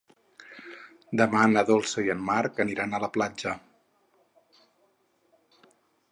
Demà na Dolça i en Marc aniran a la platja.